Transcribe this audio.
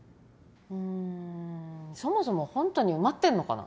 うーんそもそもホントに埋まってんのかな。